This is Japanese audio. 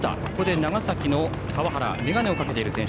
長崎の川原眼鏡をかけている選手。